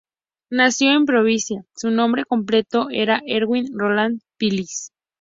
Nacido en Providence, su nombre completo era Edwin Roland Phillips.